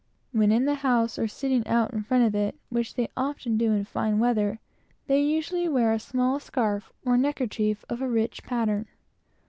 When in the house, or sitting out in front of it, which they often do in fine weather, they usually wear a small scarf or neckerchief of a rich pattern.